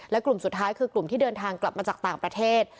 และกลุ่มสุดท้ายคือกลุ่มที่เดินทางกลับมาจากต่างประเทศ